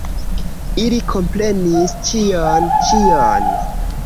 Ili komprenis ĉion, ĉion!